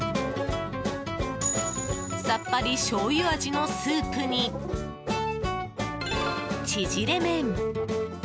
さっぱりしょうゆ味のスープにちぢれ麺。